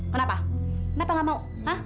kenapa kenapa nggak mau